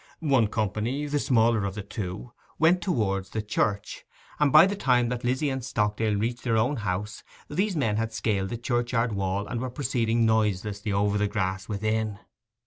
One company, the smaller of the two, went towards the church, and by the time that Lizzy and Stockdale reached their own house these men had scaled the churchyard wall, and were proceeding noiselessly over the grass within.